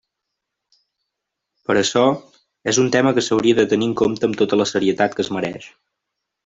Per açò, és un tema que s'hauria de tenir en compte amb tota la serietat que es mereix.